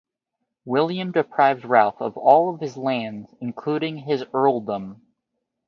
William deprived Ralph of all his lands including his earldom.